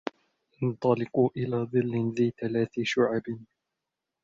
انْطَلِقُوا إِلَى ظِلٍّ ذِي ثَلَاثِ شُعَبٍ